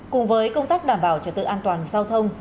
cùng với công tác đảm bảo trật tự an toàn giao thông